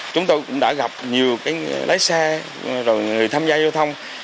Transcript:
chúng tôi cũng đã gặp nhiều lái xe rồi người tham gia giao thông